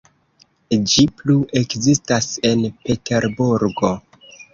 Ĝi plu ekzistas en Peterburgo.